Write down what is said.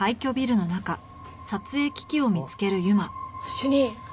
主任。